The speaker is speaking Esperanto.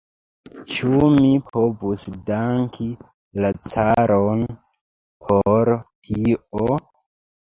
Ĉu mi povus danki la caron por tio?